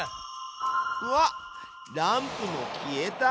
うわっランプも消えた！